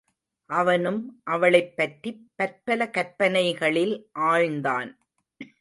அவனும் அவளைப் பற்றிப் பற்பல கற்பனைகளில் ஆழ்ந்தான்.